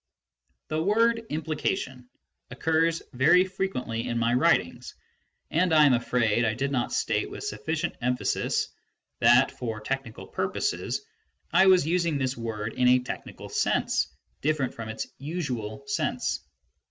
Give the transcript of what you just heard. The word " implication " occurs very frequently in my writings. SOME EXPLANATIONS IN REPLY TO MR. BRADLEY, 375 and I am afraid I did not state with sufi&cient emphasis that, for technical purposes, I was using this word in a technical sense different from its usual sense.